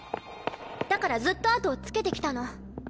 だからずっと後をつけて来たの。